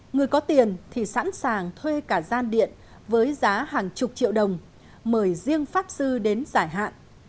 người có tiền thì sẵn sàng thuê cả gian điện với giá hàng chục triệu đồng mời riêng pháp sư đến giải hạn